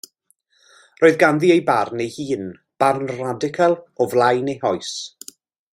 Roedd ganddi ei barn ei hun, barn radical o flaen ei hoes.